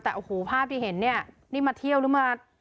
แต่ภาพที่เห็นนี่มาเที่ยงหรือ